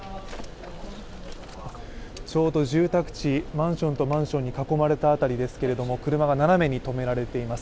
ちょうど住宅地、マンションとマンションに囲まれた辺りですけれども車が斜めに止められています。